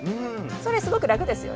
それすごく楽ですよね。